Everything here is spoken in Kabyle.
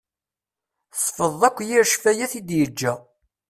Tessefḍeḍ akk yir ccfayat i d-yeǧǧa.